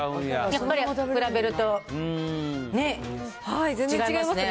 やっぱり比べると違いますね。